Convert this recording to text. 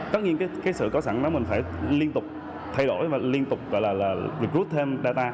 tất nhiên cái sự có sẵn đó mình phải liên tục thay đổi và liên tục recruit thêm data